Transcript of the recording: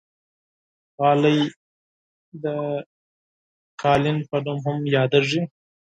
غالۍ د قالین په نوم هم یادېږي.